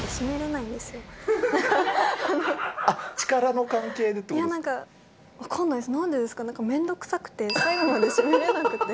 なんでですかね、面倒くさくて、最後まで閉めれなくて。